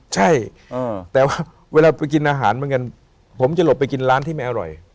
ใช่แต่ว่าเวลาไปกินอาหารเหมือนกันผมจะหลบไปกินร้านที่ไม่อร่อย